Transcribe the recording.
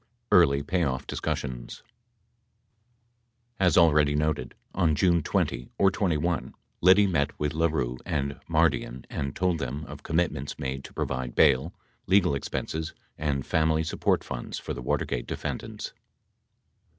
EARLY PAYOFF DISCUSSIONS As already noted, on June 20 or 21, Liddy met with LaRue and Mardian and told them of commitments made to provide bail, legal expenses and. family support funds for the Watergate defendants.